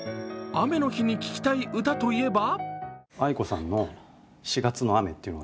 雨の日に聴きたい歌といえば？